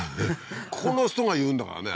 ここの人が言うんだからね